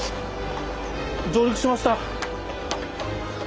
上陸しました。